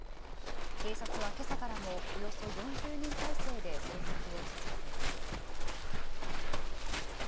警察はけさからもおよそ４０人態勢で捜索を続けています。